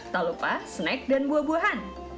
tak lupa snack dan buah buahan